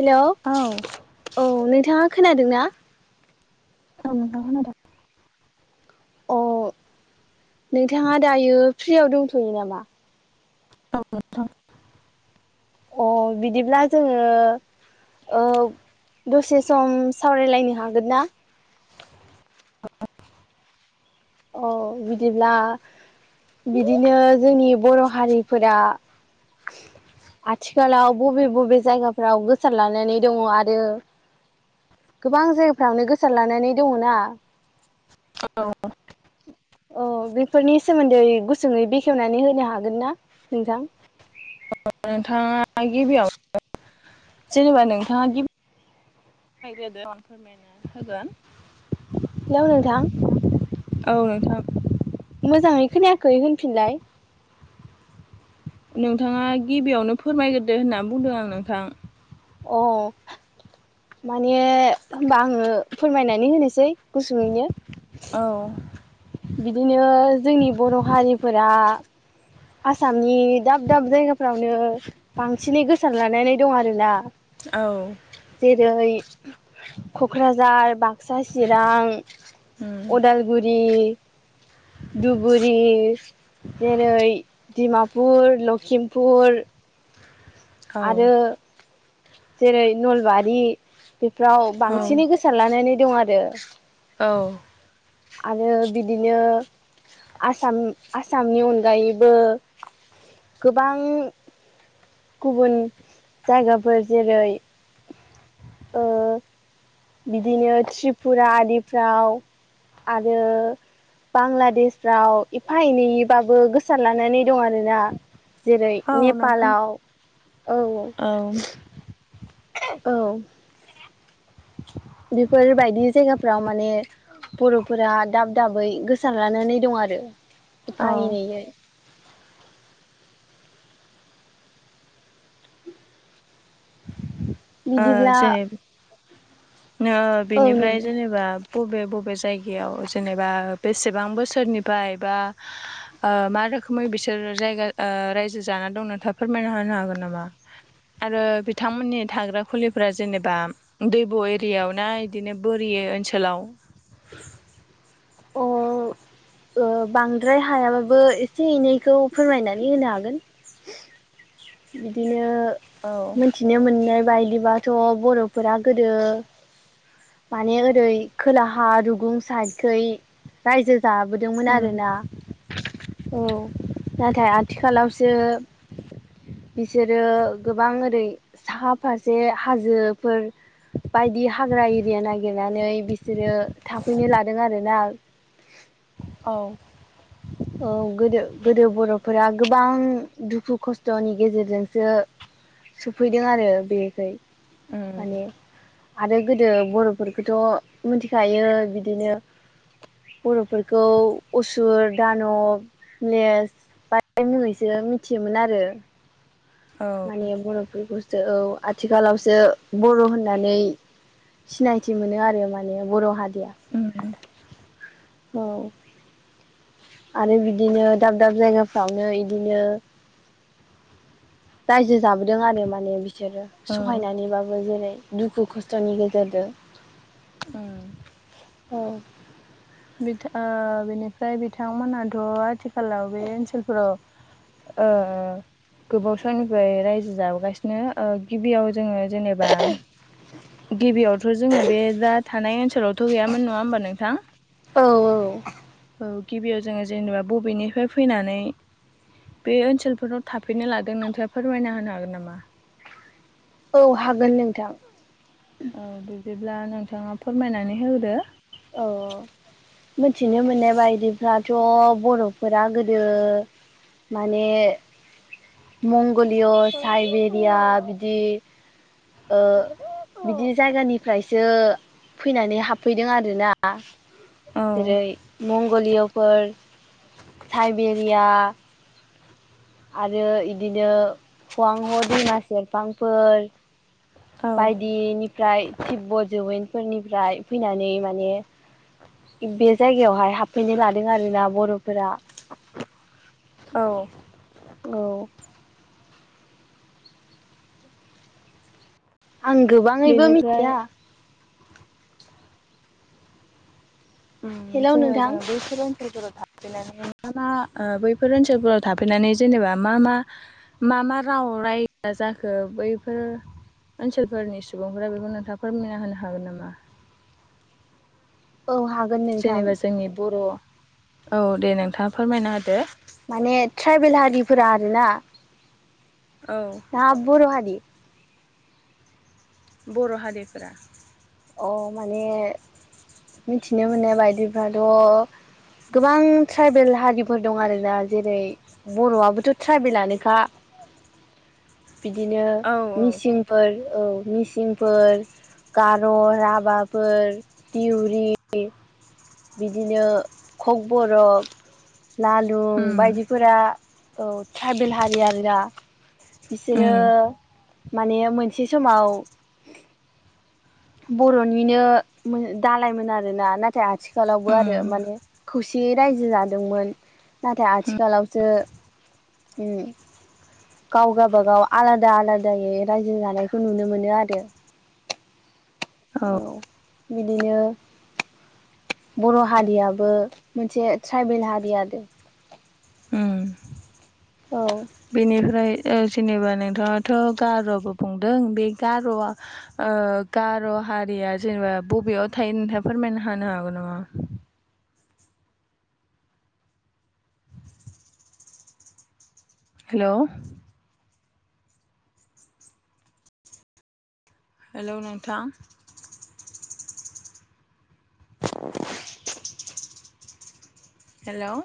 Hello औ नोंथाङा खोनादों ना? औ नोंथां खोनादों। अ नोंथाङा दायो फ्रियाव दंथ'यो नामा? [unintelligible] अ बिदिब्ला जोङो ओ दसे सम सावरायलायनो हागोन ना? अ बिदिब्ला बिदिनो जोंनि बर' हारिफोरा आथिखालाव बबे बबे जायगाफ्राव गोसार लानानै दङ' आरो गोबां जायगाफ्रावनो गोसार लानानै दङ' ना। औ। [unintelligible] अ बेफोरनि सोमोन्दै गुसुङै बेखेवनानै होनो हागोन ना नोंथां? नोंथाङा गिबियावनो जेनेबा नोंथाङा गिबि फोरमायग्रोदो उनाव आं फोरमायना होगोन। हेलौ नोंथां। औ नोंथां। मोजाङै खोनायाखै होनफिनलाय। नोंथाङा गिबियावनो फोरमायग्रोदो होननानै बुंदों आं नोंथां। अ माने होनबा आङो फोरमायनानै होनोसै गुसुङैनो औ बिदिनो जोंनि बर' हारिफोरा आसामनि दाब दाब जायगाफ्रावनो बांसिनै गोसार लानानै दं आरोना। औ जेरै क'क्राझार, बाक्सा, चिरां उम उदालगुरि धुबुरि जेरै दिमापुर, लक्षिमपुर औ आरो जेरै नलबारि बेफोराव औ बांसिनै गोसार लानानै दं आरो। औ। आरो बिदिनो आसाम आसामनि अनगायैबो गोबां गुबुन जायगा फोर जेरै ओ बिदिनो त्रिपुरा आरिफ्राव आरो बांलादेशफ्राव एफा एनैबाबो गोसार लानानै दं आरोना। जेरै औ नोंथां नेपालाव, औ औ। औ। बेफोरबायदि जायगाफ्राव माने बर'फोरा दाब दाबै गोसारलानानै दं आरो औ एफा एनैयै। ओ बिदिब्ला जेने नो औ बेनिफ्राय नों जेनेबा बबे बबे जायगायाव जेनेबा बेसेबां बोसोरनिफाय बा ओ मा रोखोमै बिसोर जायगा ओ रायजो जा ना दं नोंथांङा फोरमायना होनो हागोन नामा आरो बिथांमोननि थाग्रा खुलिफ्रा जेनेबा दैब एरियायाव ना इदिनो बोरियो ओनसोलाव अ। ओ बांद्राय हायाबाबो एसे एनैखौ फोरमायनानै होनो हागोन। बिदिनो मोनथिनो मोननाय बायदिबाथ बर' फोरा गोदो माने ओरै खोलाहा रुगुं साइडखै रायजो जाबोदोंमोन आरोना औ नाथाय आथिखालावसो बिसोरो गोबां ओरै साहा फारसे हाजोफोर बायदि हाग्रा एरिया नागिरनानै बिसोरो थाफैनो लादों आरोना। [inaudible] औ। औ गोदो गोदो बर'फोरा गोबां दुखु खस्थनि गेजेरजोंसो सफैदों आरो बेखै माने आरो गोदो बर'फोरखोथ मोनथिखायो बिदिनो बर'फोरखौ उसुर दानब नेेस मुङैसो मिनथियोमोन आरो। माने बर'फोरखौसो औ। आथिखालावसो बर' होननानै सिनायथि मोनो आरो माने बर' हा औ। आरो बिदिनो दाब दाब जायगाफ्रावनो इदिनो रायजो जाबोदों आरो माने बि सोरो औ सहायनानैबाबो जेरै दुखु खस्थनि गेजेरजों। उम। औ। बिथा ओ बिनिफ्राय बिथांमोनाथ आथिखालाव बे ओनसोलफोराव ओ गोबाव सयनिफ्राय रायजो जाबोगासिनो ओ गिबियाव जोङो जेनेबा गिबियावथ जोङो बे दा थानाय ओनसोलावथ गैयामोन नङा होमबा नोंथां? औ औ। औ गिबियाव जोङो जेनेबा बबेनिफाय फैनानै बे ओनसोलफोराव थाफैनो लादों नोंथाङा फोरमायना होनो हागोन नामा? औ हागोन नोंथां। औ बिदिब्ला नोंथाङा फोरमायनानै होदो। औ। मिथिनो मोननाय बायदिफ्राथ बर'फोरा गोदो माने मंगलिय साइबेरिया बिदि ओ बिदि जायगानिफ्रायसो फैनानै हाबफैदों आ रो ना। औ जेरै मंगलियफोर साइबेरिया आरो इदिनो हुवां ह दैमा सेरफांफोर औ बायदिनिफ्राय टिब्ब जौयेनफोरनिफ्राय फैनानै माने बे जायगायावहाय हाबफैनो लादों आरोना बर'फोरा औ। औ। आं गोबाङैबो बेनिफ्राय मिथिया हेलौ जोङो नोंथां औ बैसोर ओनसोलफोराव नोंथाङा बैफोर ओनसोलफोराव थाफैनानै जेनेबा मा मा मा मा राव रायज्लायनाय जाखो बैफोर ओनसोलफोरनि सुबुंफोरा बेखौ नोंथाङा फोरमायना होनो हागोन नामा? हागोन नोंथां जेनेबा जोंनि बर' औ दे नोंथाङा फोरमायना होदो माने ट्राइबेल हारिफोरा आरो ना औ ना बर' हारि बर' हारिफोरा अ माने मिथिनो मोननाय बायदिबाथ'' गोबां ट्राइबेल हारिफोर दं आरोना जेरै बर'आबोथ' ट्राइबेलानोखा। बिदिनो औ औ मिसिंफोर औ मिसिंफोर गर' राभाफोर दिउरि बिदिनो खक बरक नालुं उम बायदिफोरा औ ट्राइबेल हारि आरो ना उम बिसोरो माने मोनसे समाव बर'निनो दालायमोन आरोना नाथाय आथिखालावबो आरो उम माने खौसे बे रायजो जादोंमोन नाथाय आथिखालावसो उम गाव गाबागाव आलादा आलादायै रायजो जानायखौ नुनो मोनो आरो। [unintelligible] औ बिदिनो बर' हारियाबो मोनसे ट्राइबेल हारि आरो। उम औ। बेनिफ्राय ओ जेनेबा नोंथाङाथ' गार'बो बुंदों बे गार'आ ओ गार' हारिया जेनेबा बबेयाव थायो नोंथाङा फोरमायनो हानो हागौ नामा? हेल' हेल' नोंथां। [unintelligible] हेल'।